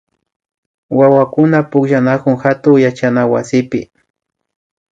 Wawakuna pukllanakun hatun yachana wasipi